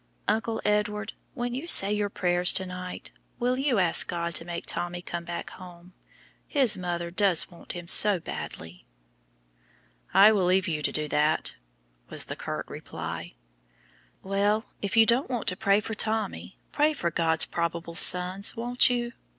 "Uncle Edward, when you say your prayers to night, will you ask God to make Tommy come back home? His mother does want him so badly." "I will leave you to do that," was the curt reply. "Well, if you don't want to pray for Tommy, pray for God's probable sons, won't you?